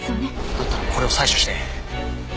だったらこれを採取して。